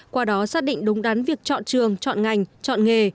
qua đó xác định đúng đắn việc chọn trường chọn ngành chọn nghề